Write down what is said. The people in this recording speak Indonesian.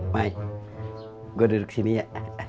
mai gua duduk sini ya